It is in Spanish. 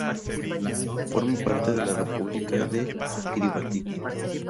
Forma parte de la república de Kiribati.